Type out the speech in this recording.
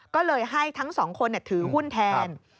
ก็เลยให้ทั้งสองคนถือหุ้นแทน